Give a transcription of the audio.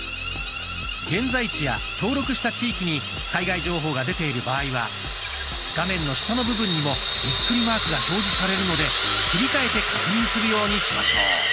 現在地や登録した地域に災害情報が出ている場合は画面の下の部分にもビックリマークが表示されるので切り替えて確認するようにしましょう。